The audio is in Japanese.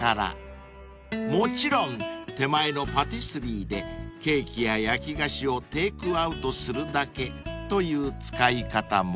［もちろん手前のパティスリーでケーキや焼き菓子をテークアウトするだけという使い方も］